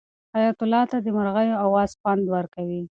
حیات الله ته د مرغیو اواز خوند ورکوي.